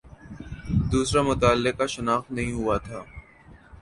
دوسرا متعلقہ شناخت نہیں ہوا تھا